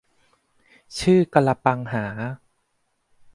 ขื่อกะละปังหา